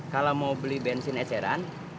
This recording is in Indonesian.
kalau mau beli bensin eceran